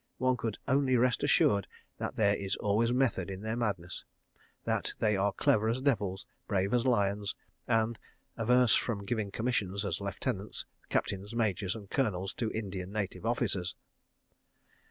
One could only rest assured that there is always method in their madness—that they are clever as devils, brave as lions, and—averse from giving commissions as lieutenants, captains, majors, and colonels to Indian Native Officers.